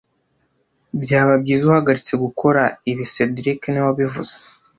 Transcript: Byaba byiza uhagaritse gukora ibi cedric niwe wabivuze